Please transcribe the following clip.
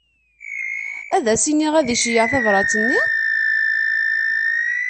Ad as-iniɣ ad iceyyeɛ tabṛat-nni?